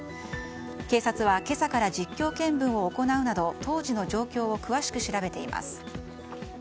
警察は今朝から実況見分を行うなど当時の状況を詳しく調べています。